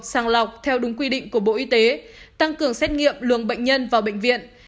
sàng lọc theo đúng quy định của bộ y tế tăng cường xét nghiệm luồng bệnh nhân vào bệnh viện